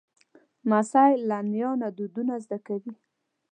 لمسی له نیا نه دودونه زده کوي.